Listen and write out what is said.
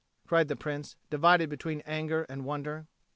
cried the Prince, divided between anger and wonder.